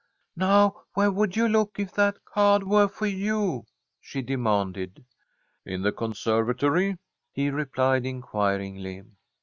"Now where would you look if that cah'd were for you?" she demanded. "In the conservatory?" he replied, inquiringly.